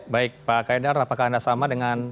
baik pak kaidar apakah anda sama dengan